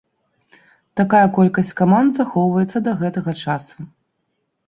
Такая колькасць каманд захоўваецца да гэтага часу.